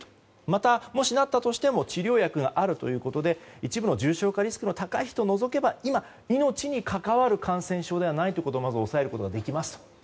また、もしなったとしても治療薬があるということで一部の重症化リスクの高い人を除けば今、命にかかわる感染症じゃないと抑えることができます。